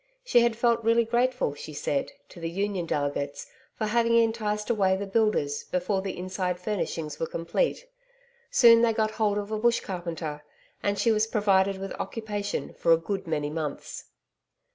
She had felt really grateful, she said, to the Union delegates for having enticed away the builders before the inside furnishings were complete. Soon they got hold of a bush carpenter, and she was provided with occupation for a good many months.